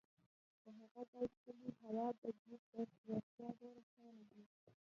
د هغه ځای ښکلې هوا به دې پر روغتیا ډېره ښه ولګېږي.